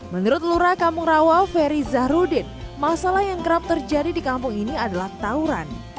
menurut lura kampung rawa ferry zahrudin masalah yang kerap terjadi di kampung ini adalah tauran